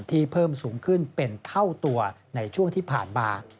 เพิ่มสูงขึ้นเป็นเท่าตัวในช่วงที่ผ่านมา